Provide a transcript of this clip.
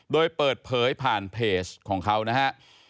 โดยเปิดเผยผ่านเพจของเขานะฮะ